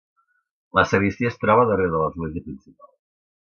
La sagristia es troba darrere de l'església principal.